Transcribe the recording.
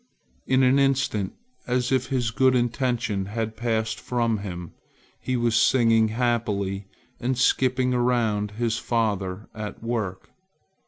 In an instant, as if his good intention had passed from him, he was singing happily and skipping around his father at work.